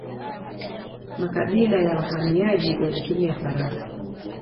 Makabila ya wahamiaji walitumia farasi.